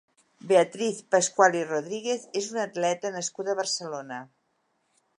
Beatriz Pascual i Rodríguez és una atleta nascuda a Barcelona.